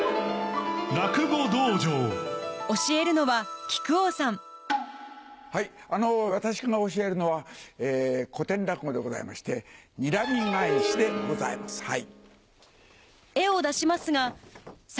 はい私が教えるのは古典落語でございまして『睨み返し』でございます。